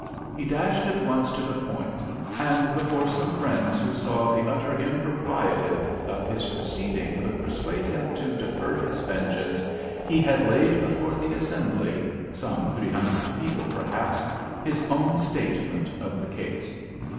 He dashed at once to the point; and before some friends who saw the utter impropriety of his proceeding could persuade him to defer his vengeance, he had laid before the assembly—some three hundred people, perhaps—his own statement of the case.